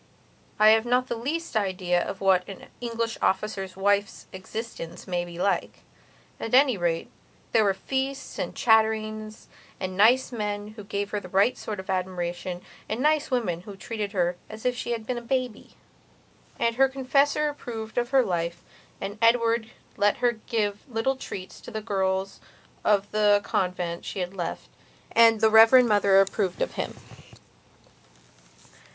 I have not the least idea of what an English officer's wife's existence may be like. At any rate, there were feasts, and chatterings, and nice men who gave her the right sort of admiration, and nice women who treated her as if she had been a baby. And her confessor approved of her life, and Edward let her give little treats to the girls of the convent she had left, and the Reverend Mother approved of him.